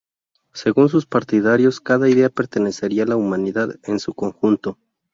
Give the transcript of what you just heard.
Según sus partidarios cada idea pertenecería a la humanidad en su conjunto.